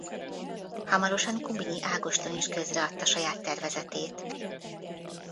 Hamarosan Kubinyi Ágoston is közreadta saját tervezetét.